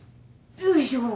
よいしょ。